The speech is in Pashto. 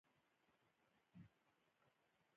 د هغه د مزغو د فېصلې مرکز د پرېشر لاندې راشي